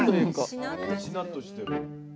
しなっとしてる。